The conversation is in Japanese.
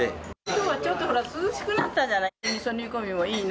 きょうはちょっと涼しくなったじゃない。